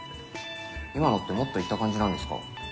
今のって「もっと言った」感じなんですか？